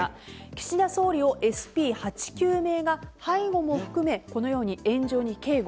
岸田総理をＳＰ８９名が背後も含めこのように円状に警護。